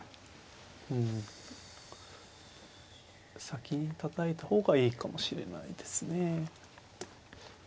うん先にたたいた方がいいかもしれないですね。